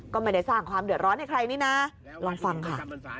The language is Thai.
ก็ไม่ได้สร้างความเดือดร้อนให้ใครนี่นะลองฟังค่ะ